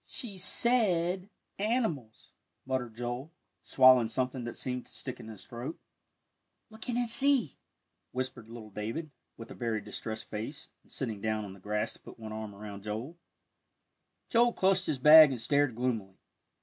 "She said animals," muttered Joel, swallowing something that seemed to stick in his throat. "Look in and see," whispered little David, with a very distressed face, and sitting down on the grass to put one arm around Joel. Joel clutched his bag and stared gloomily.